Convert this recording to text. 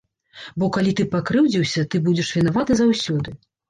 Бо калі ты пакрыўдзіўся, ты будзеш вінаваты заўсёды.